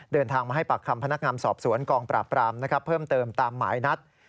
เดินทางมาให้ปากคำพนักงานสอบสวนกองปราบปรามเพิ่มเติมตามหมายนัด